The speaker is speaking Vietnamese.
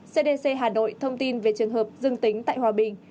cdc hà nội thông tin về trường hợp dương tính tại hòa bình